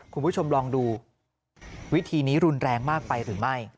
คุณผู้ชมลองดูวิธีนี้รุนแรงมากไปหรือไม่